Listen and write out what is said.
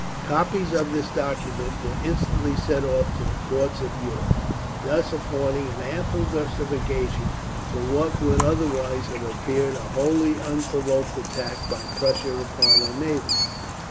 Copies of this document were instantly sent off to the courts of Europe, thus affording an ample justification for what would otherwise have appeared a wholly unprovoked attack by Prussia upon her neighbours.